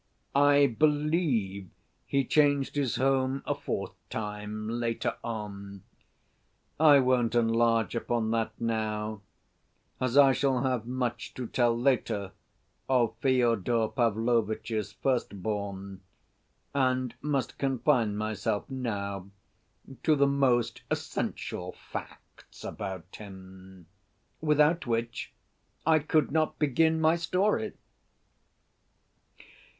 I believe he changed his home a fourth time later on. I won't enlarge upon that now, as I shall have much to tell later of Fyodor Pavlovitch's firstborn, and must confine myself now to the most essential facts about him, without which I could not begin my story.